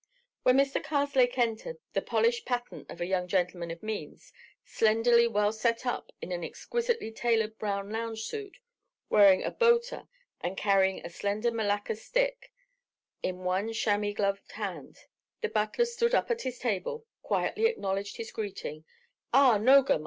When Mr. Karslake entered, the polished pattern of a young gentleman of means, slenderly well set up in an exquisitely tailored brown lounge suit, wearing a boater and carrying a slender malacca stick in one chamois gloved hand, the butler stood up at his table, quietly acknowledged his greeting—"Ah, Nogam!